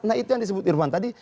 nah itu yang disebut irvan tadi